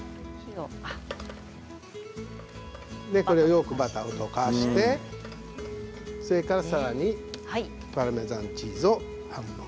よくバターを溶かしてそれから、さらにパルメザンチーズを半分。